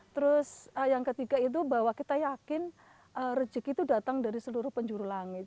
terus yang ketiga itu bahwa kita yakin rezeki itu datang dari seluruh penjuru langit